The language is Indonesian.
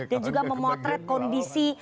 dan juga memotret kondisi